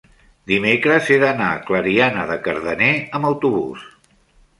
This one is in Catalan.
dimecres he d'anar a Clariana de Cardener amb autobús.